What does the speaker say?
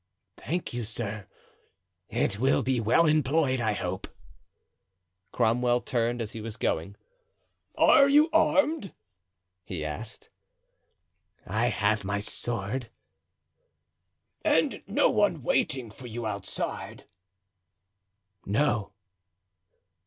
"Thank you, sir; it will be well employed, I hope." Cromwell turned as he was going. "Are you armed?" he asked. "I have my sword." "And no one waiting for you outside?" "No."